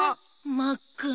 まっくら。